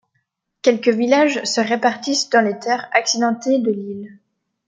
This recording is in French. Quelques villages se répartissent dans les terres accidentées de l'île.